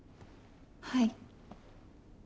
はい。